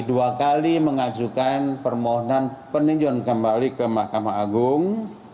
dua kali mengajukan permohonan peninjuan kembali ke mahkamah agung